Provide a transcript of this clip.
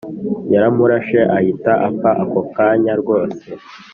Yaramurashe ahita apfa ako kanya rwose